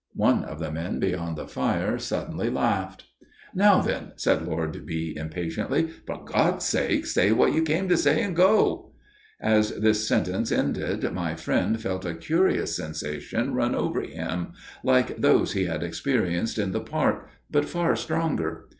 One of the men beyond the fire suddenly laughed. "'Now then,' said Lord B. impatiently, 'for God's sake say what you came to say, and go.' "As this sentence ended my friend felt a curious sensation run over him, like those he had experienced in the park, but far stronger.